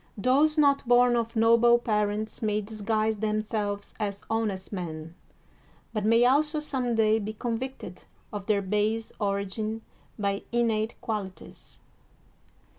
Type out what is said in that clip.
Those not bom of noble parents may disguise themselves as honest men, but may also some day be convicted of their base origin by innate qual ities.